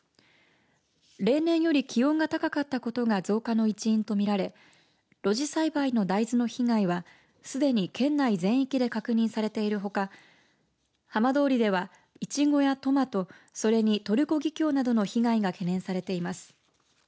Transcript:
例年より気温が高かったことが増加の一因と見られ露地栽培の大豆の被害はすでに県内全域で確認されているほか浜通りではイチゴやトマトそれにトルコギキョウなどの被害が懸念されています。